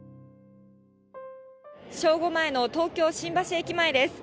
正午前の東京・新橋駅前です。